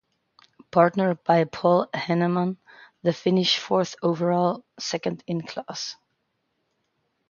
Partnered by Paul Heinemann, the finish fourth overall, second in class.